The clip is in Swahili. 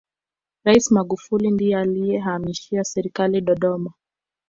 raisi magufuli ndiye aliyehamishia serikali dodoma